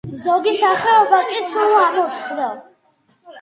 ზოგი სახეობა კი სულ ამოწყდა.